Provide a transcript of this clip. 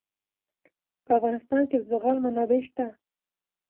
په افغانستان کې د زغال منابع شته.